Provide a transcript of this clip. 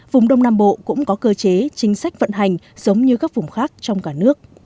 vùng đông nam bộ cũng có cơ chế chính sách vận hành giống như các vùng khác trong cả nước